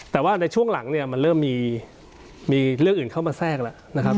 แต่ว่าในช่วงหลังมันเริ่มมีเรื่องอื่นเข้ามาแทรกแล้ว